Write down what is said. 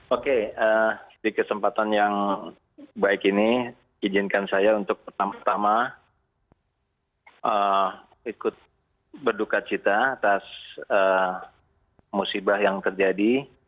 oke di kesempatan yang baik ini izinkan saya untuk pertama tama ikut berduka cita atas musibah yang terjadi